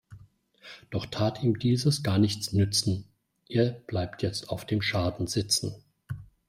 Doch tat ihm dieses gar nichts nützen, er bleibt jetzt auf dem Schaden sitzen.